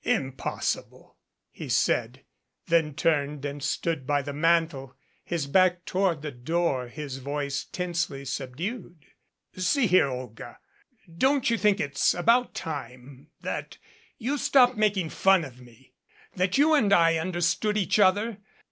"Impossible!" he said, then turned and stood by the mantel, his back toward the door, his voice tensely subdued. "See here, Olga, don't you think it's about time that you stopped making fun of me that you and I understood each other?